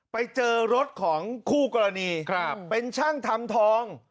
ไปเจอรถของคู่กรณีเป็นช่างทำทอง